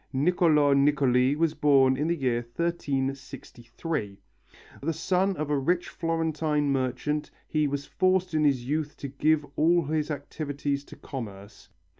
Niccolo Niccoli was born in the year 1363. The son of a rich Florentine merchant he was forced in his youth to give all his activities to commerce.